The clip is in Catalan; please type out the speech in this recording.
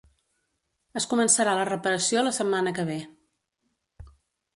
Es començarà la reparació la setmana que ve